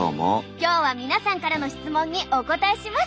今日は皆さんからの質問にお答えします。